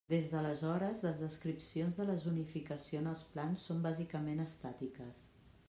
Des d'aleshores, les descripcions de la zonificació en els plans són bàsicament estàtiques.